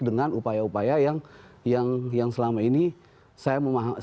dengan upaya upaya yang selama ini saya memahami